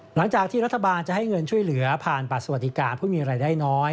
หลังจากที่รัฐบาลจะให้เงินช่วยเหลือผ่านบัตรสวัสดิการผู้มีรายได้น้อย